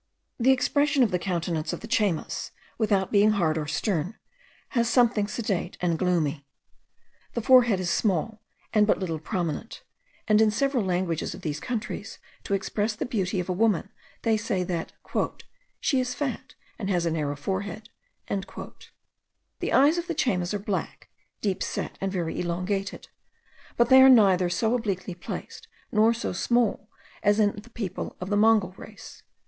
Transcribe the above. The expression of the countenance of the Chaymas, without being hard or stern, has something sedate and gloomy. The forehead is small, and but little prominent, and in several languages of these countries, to express the beauty of a woman, they say that 'she is fat, and has a narrow forehead.' The eyes of the Chaymas are black, deep set, and very elongated: but they are neither so obliquely placed, nor so small, as in the people of the Mongol race.